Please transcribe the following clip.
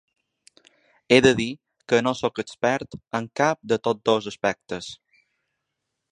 He de dir que no sóc expert en cap de tots dos aspectes.